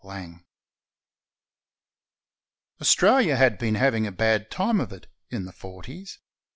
LANG Australia had been having a bad time of it in the forties.